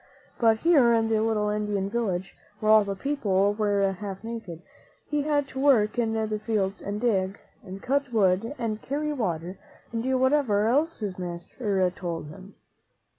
But here in the little Indian village, where all the people were half naked, he had to work in the fields and dig, and cut wood and carry water, and do whatever else his master told him.